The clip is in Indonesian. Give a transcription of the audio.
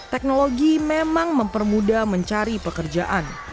teknologi memang mempermudah mencari pekerjaan